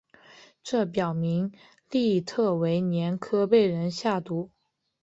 这表明利特维年科被人下毒。